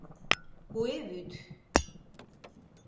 КУЭ ВӰД